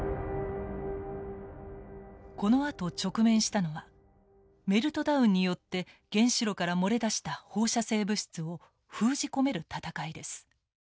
このあと直面したのはメルトダウンによって原子炉から漏れ出した放射性物質を封じ込める闘いです。